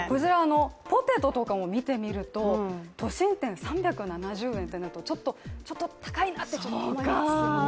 ポテトとかも見てみると、都心店３７０円となるとちょっと高いなと思いますよね。